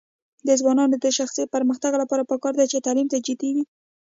د ځوانانو د شخصي پرمختګ لپاره پکار ده چې تعلیم ته جدي وي.